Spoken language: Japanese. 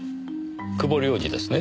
久保亮二ですね。